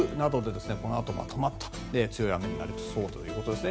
このあと、まとまった強い雨になりそうということです。